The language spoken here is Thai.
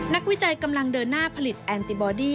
วิจัยกำลังเดินหน้าผลิตแอนติบอดี้